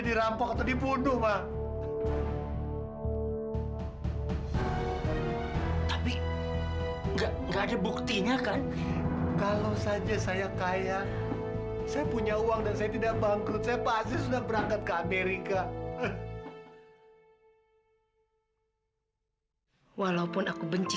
sampai jumpa di video selanjutnya